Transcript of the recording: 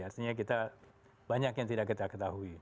artinya kita banyak yang tidak kita ketahui